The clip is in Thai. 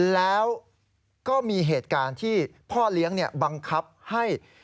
แล้วก็มีเหตุการณ์ที่พ่อเลี้ยงบังคับให้